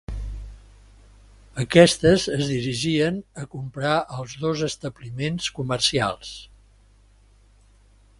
Aquestes es dirigien a comprar als dos establiments comercials.